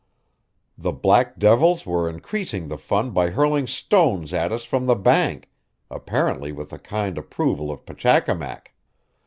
The black devils were increasing the fun by hurling stones at us from the bank apparently with the kind approval of Pachacamac.